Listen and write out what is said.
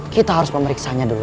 kita harus memeriksaannya dulu